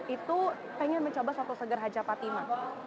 itu pengen mencoba soto seger haja fatima